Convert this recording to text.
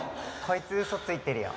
こいつウソついてるよ。